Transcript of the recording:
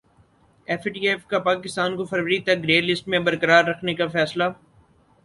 F A T F کا پاکستان کو فروری تک گرے لسٹ میں برقرار رکھنے کا فیصلہ